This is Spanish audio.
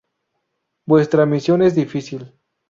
Vuestra misión es difícil.